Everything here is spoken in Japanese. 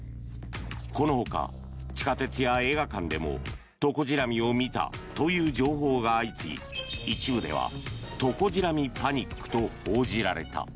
このほか、地下鉄や映画館でもトコジラミを見たという情報が相次ぎ一部ではトコジラミパニックと報じられた。